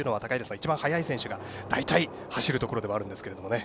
一番速い選手が大体走るところではあるんですが。